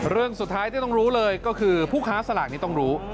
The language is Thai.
เรื่องสุดท้ายที่ต้องรู้เลยก็คือผู้ค้าสลากนี้ต้องรู้